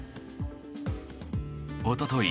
おととい